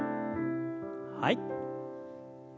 はい。